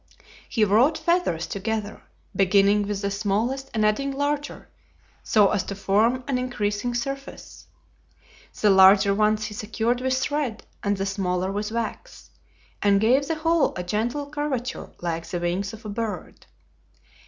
He wrought feathers together, beginning with the smallest and adding larger, so as to form an increasing surface. The larger ones he secured with thread and the smaller with wax, and gave the whole a gentle curvature like the wings of a bird.